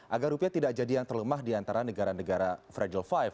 agar rupiah tidak jadi yang terlemah di antara negara negara fragile five